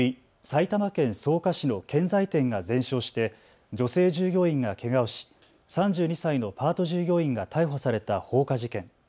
埼玉県草加市の建材店が全焼して女性従業員がけがをし３２歳のパート従業員が逮捕された放火事件。